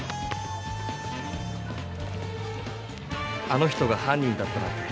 あの人が犯人だったなんて。